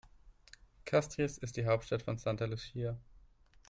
Castries ist die Hauptstadt von St. Lucia.